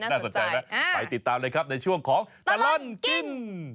กลับมาก่อนเลยครับในช่วงของตลอดกิน